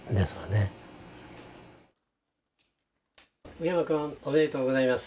宇山君、おめでとうございます。